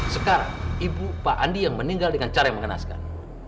sekarang ibu pak andi yang meninggal dengan cara yang mengenaskan